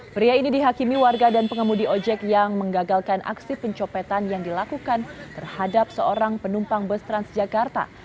pria ini dihakimi warga dan pengemudi ojek yang menggagalkan aksi pencopetan yang dilakukan terhadap seorang penumpang bus transjakarta